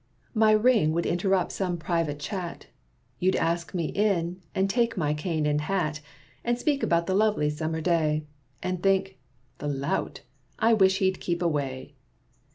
My ring would interrupt some private chat. You'd ask me in and take my cane and hat, And speak about the lovely summer day, And think 'The lout! I wish he'd kept away.'